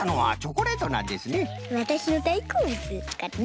わたしのだいこうぶつですからね。